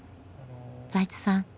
財津さん